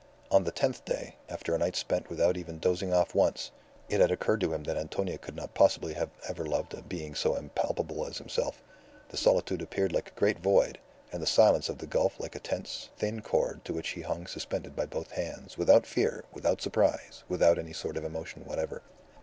On the tenth day, after a night spent without even dozing off once (it had occurred to him that Antonia could not possibly have ever loved a being so impalpable as himself), the solitude appeared like a great void, and the silence of the gulf like a tense, thin cord to which he hung suspended by both hands, without fear, without surprise, without any sort of emotion whatever.